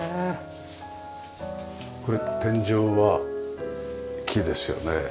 これ天井は木ですよね。